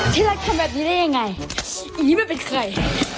ที่รักทำแบบนี้ได้ยังไงอย่างนี้ไม่เป็นใคร